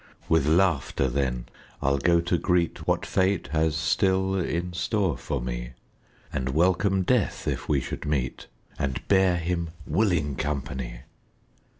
With laughter, then, I'll go to greet What Fate has still in store for me, And welcome Death if we should meet, And bear him willing company.